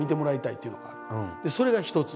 それが一つ。